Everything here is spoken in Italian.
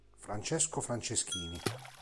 Francesco Franceschini